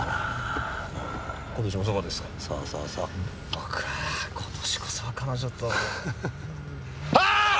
僕は今年こそは彼女と。